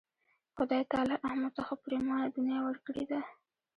خدای تعالی احمد ته ښه پرېمانه دنیا ورکړې ده.